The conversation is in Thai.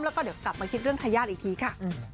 แล้วก็เดี๋ยวกลับมาคิดเรื่องทายาทอีกทีค่ะ